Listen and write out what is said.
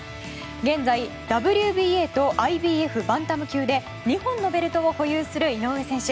現在、ＷＢＡとＩＢＦのバンタム級で２本のベルトを保有する井上選手。